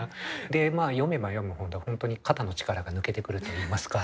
で読めば読むほど本当に肩の力が抜けてくるといいますか。